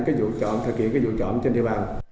cái vụ chọn thực hiện cái vụ trộm trên địa bàn